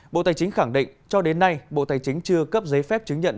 bộ tài chính khẳng định cho đến nay bộ tài chính chưa cấp giấy phép chứng nhận